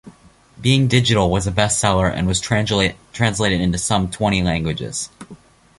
"Being Digital" was a bestseller and was translated into some twenty languages.